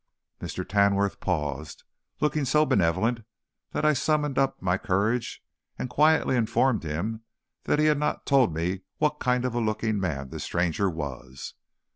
Mr. Tamworth paused, looking so benevolent that I summoned up my courage, and quietly informed him that he had not told me what kind of a looking man this stranger was.